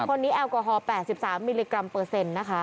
คนนี้แอลกอฮอล๘๓มิลลิกรัมเปอร์เซ็นต์นะคะ